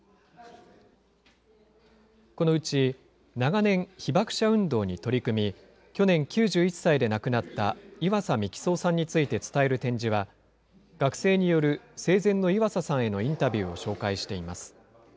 このうち、長年、被爆者運動に取り組み、去年９１歳で亡くなった、岩佐幹三さんについて伝える展示は、学生による生前の岩佐さんへのインタビューを紹介しています。